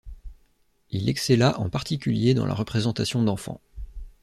Il excella en particulier dans la représentation d'enfants.